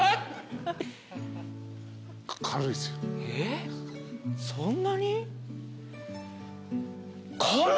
えそんなに？